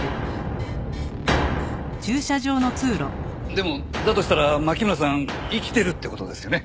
でもだとしたら牧村さん生きてるって事ですよね。